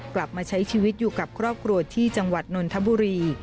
กลับมาใช้ชีวิตอยู่กับครอบครัวที่จังหวัดนนทบุรี